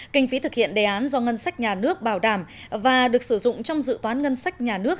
kinh phí thực hiện đề án do ngân sách nhà nước bảo đảm và được sử dụng trong dự toán ngân sách nhà nước